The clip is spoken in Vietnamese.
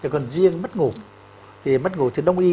còn riêng mất ngủ thì mất ngủ thì đồng ý